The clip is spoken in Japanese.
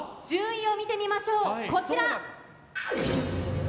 順位を見てみましょう、こちら。